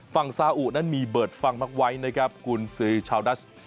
ฝั่งซาอุนั้นมีเบิดฟังมากไว้กุญสือชาวดัช